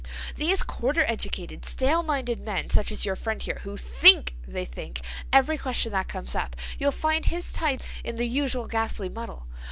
"These quarter educated, stale minded men such as your friend here, who think they think, every question that comes up, you'll find his type in the usual ghastly muddle.